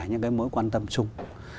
những cái mối quan tâm chung